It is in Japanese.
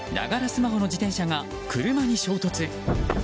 スマホの自転車が車に衝突。